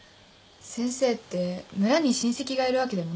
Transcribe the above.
先生って村に親戚がいるわけでもないしね。